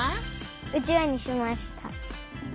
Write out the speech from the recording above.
うちわにしました。